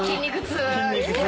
筋肉痛。